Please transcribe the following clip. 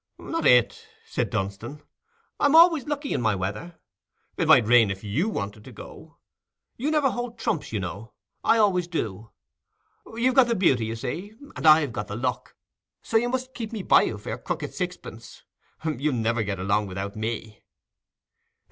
"Not it," said Dunstan. "I'm always lucky in my weather. It might rain if you wanted to go yourself. You never hold trumps, you know—I always do. You've got the beauty, you see, and I've got the luck, so you must keep me by you for your crooked sixpence; you'll ne ver get along without me."